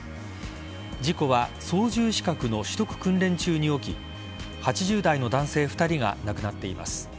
事故は操縦資格の取得訓練中に起き８０代の男性２人が亡くなっています。